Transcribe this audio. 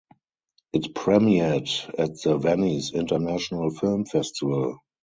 It premiered at the Venice International Film Festival.